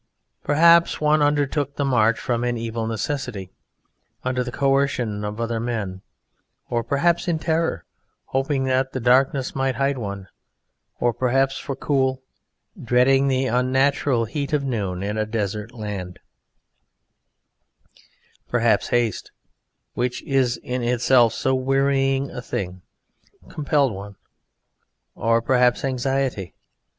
Perhaps one undertook the march from an evil necessity under the coercion of other men, or perhaps in terror, hoping that the darkness might hide one, or perhaps for cool, dreading the unnatural heat of noon in a desert land; perhaps haste, which is in itself so wearying a thing, compelled one, or perhaps anxiety.